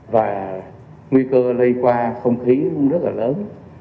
và nguy cơ lây qua không khí cũng rất là lớn